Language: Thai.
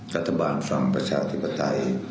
รัฐบาลฝั่งประชาธิปไตย